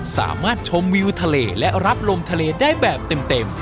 สามารถชมวิวทะเลและรับลมทะเลได้แบบเต็ม